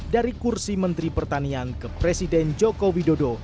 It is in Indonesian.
dari kursi menteri pertanian ke presiden joko widodo